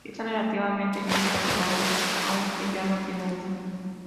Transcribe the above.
Está relativamente bien conservado, aunque ya no tiene uso.